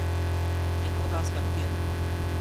Je to otázka důvěry.